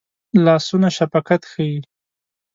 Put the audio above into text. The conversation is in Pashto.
لاسونه شفقت ښيي